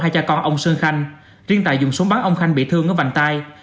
hai cha con ông sơn khanh riêng tài dùng súng bắn ông khanh bị thương ở vành tay